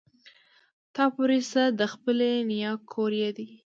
تا پورې څه د خپلې نيا کور يې دی.